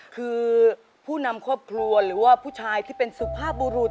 คือผู้นำครอบครัวหรือว่าผู้ชายที่เป็นสุภาพบุรุษ